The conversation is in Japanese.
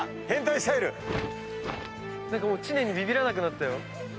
何かもう知念にビビらなくなったよ。